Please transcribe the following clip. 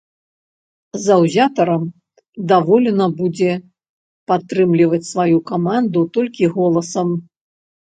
Заўзятарам дазволена будзе падтрымліваць сваю каманду толькі голасам.